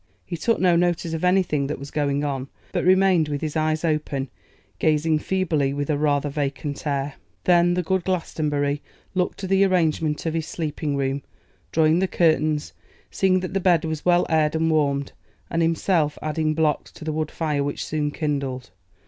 He took no notice of anything that was going on, but remained with his eyes open, gazing feebly with a rather vacant air. Then the good Glastonbury looked to the arrangement of his sleeping room, drawing the curtains, seeing that the bed was well aired and warmed, and himself adding blocks to the wood fire which soon kindled.